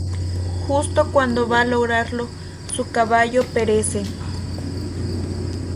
Justo cuando va a lograrlo, su caballo perece.